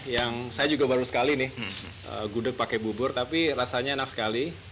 yang saya juga baru sekali nih gudeg pakai bubur tapi rasanya enak sekali